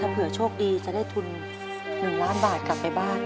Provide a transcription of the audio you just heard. เผื่อโชคดีจะได้ทุน๑ล้านบาทกลับไปบ้าน